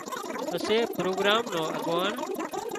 پسي پروگرام نو اڳواڻ